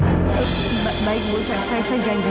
kalau belum ada juga perkembangan saya akan turun tangan sendiri